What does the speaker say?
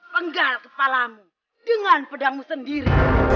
penggal kepalamu dengan pedangmu sendiri